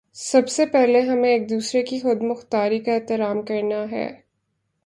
سب سے پہلے ہمیں ایک دوسرے کی خود مختاری کا احترام کرنا ہے۔